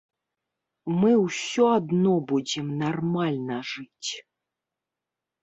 Мы ўсё адно будзем нармальна жыць.